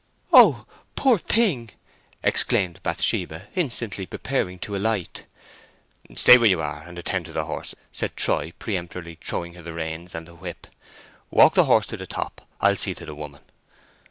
"Oh, poor thing!" exclaimed Bathsheba, instantly preparing to alight. "Stay where you are, and attend to the horse!" said Troy, peremptorily throwing her the reins and the whip. "Walk the horse to the top: I'll see to the woman."